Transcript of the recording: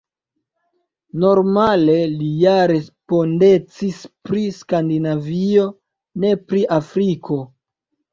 Normale li ja respondecis pri Skandinavio, ne pri Afriko.